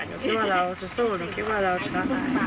หนูคิดว่าเราจะสู้หนูคิดว่าเราชนะ